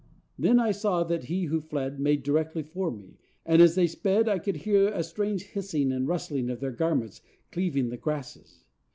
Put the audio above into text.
Then I saw that he who fled made directly for me; and as they sped I could hear a strange hissing and rustling of their garments cleaving the grasses.